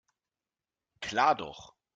Klar doch.